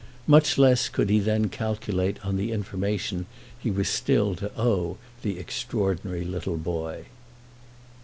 Much less could he then calculate on the information he was still to owe the extraordinary little boy.